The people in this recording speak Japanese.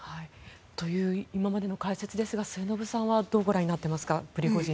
という今までの解説ですが末延さんはどうご覧になっていますか？